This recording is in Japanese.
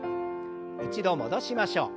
一度戻しましょう。